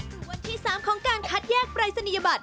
ถึงวันที่๓ของการคัดแยกปรายศนียบัตร